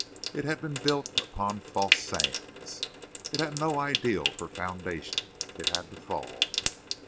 It had been built upon false sands. It had no ideal for foundation. It had to fall.